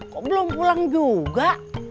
kok belum pulang juga